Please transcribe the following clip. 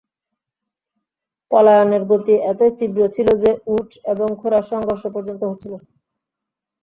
পলায়নের গতি এতই তীব্র ছিল যে উট এবং ঘোড়ার সংঘর্ষ পর্যন্ত হচ্ছিল।